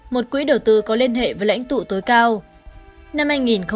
một quỹ đầu tư có liên hệ với lãnh tụ tối cao